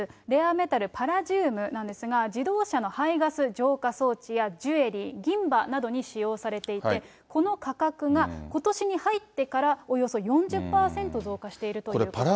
レアメタル、パラジウムなんですが、自動車の排ガス浄化装置や、ジュエリー、銀歯などに使用されていて、この価格がことしに入ってからおよそ４０％増加しているということです。